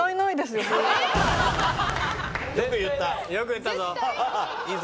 よく言ったぞ。